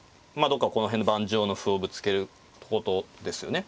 どっかこの辺の盤上の歩をぶつけることですよね。